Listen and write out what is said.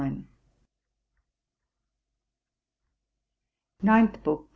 NINTH BOOK.